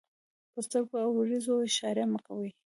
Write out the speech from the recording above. په سترګو او وريځو اشارې مه کوئ!